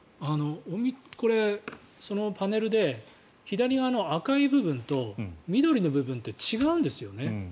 そのパネルで左側の赤い部分と緑の部分って違うんですよね。